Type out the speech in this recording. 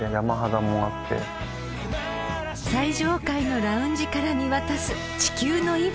［最上階のラウンジから見渡す地球の息吹］